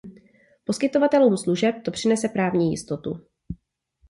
Poskytovatelům služeb to přinese právní jistotu.